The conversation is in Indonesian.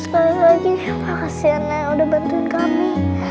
makasih nenek udah bantuin kami